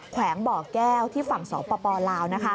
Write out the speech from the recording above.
แขวงบ่อแก้วที่ฝั่งสปลาว